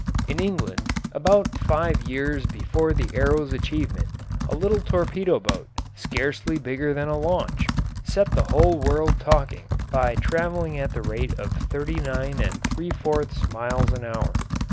In England, about five years before the Arrow's achievement, a little torpedo boat, scarcely bigger than a launch, set the whole world talking by travelling at the rate of thirty nine and three fourths miles an hour.